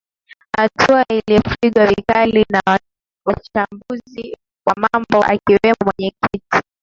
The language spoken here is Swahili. hatua iliopingwa vikali na wachambuzi wa mambo akiwemo mwenye kiti